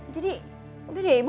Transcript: jadi udah deh ibu